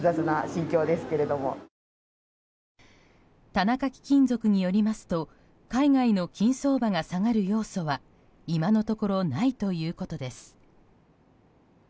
田中貴金属によりますと海外の金相場が下がる要素は今のところないということです。